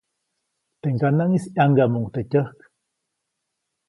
Teʼ ŋganaʼŋis ʼyaŋgamuʼuŋ teʼ tyäjk.